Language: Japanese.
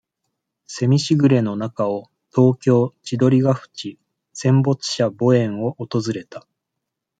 セミしぐれの中を、東京、千鳥ケ淵、戦没者墓苑を訪れた。